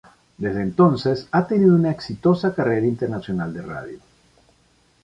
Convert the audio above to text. Desde entonces ha tenido una exitosa carrera internacional de radio.